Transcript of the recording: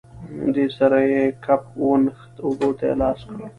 دې سره یې کپ ونښت، اوبو ته یې لاس کړ.